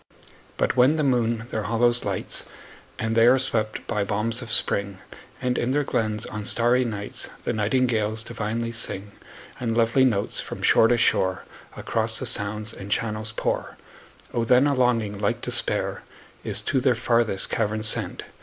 But when the moon their hollows lights, And they are swept by balms of spring, And in their glens, on starry nights, The nightingales divinely sing; 10 And lovely notes, from shore to shore, Across the sounds and channels pour; O then a longing like despair Is to their farthest caverns sent!